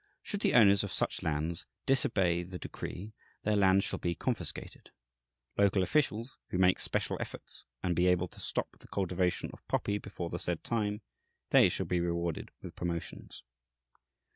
Should the owners of such lands disobey the decree, their lands shall be confiscated. Local officials who make special efforts and be able to stop the cultivation of poppy before the said time, they shall be rewarded with promotions."